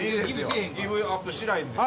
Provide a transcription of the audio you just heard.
ギブアップしないんで。